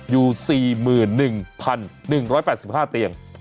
อยู่๔๑๑๘๕เตียง